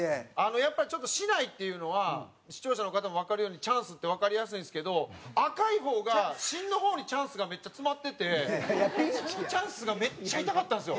やっぱりちょっと竹刀っていうのは視聴者の方もわかるようにチャンスってわかりやすいんですけど赤い方が芯の方にチャンスがめっちゃ詰まっててそのチャンスがめっちゃ痛かったんですよ。